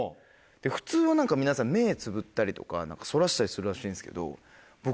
普通は何か皆さん目つぶったりとかそらしたりするらしいんですけど。